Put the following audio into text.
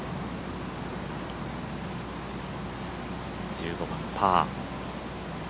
１５番パー。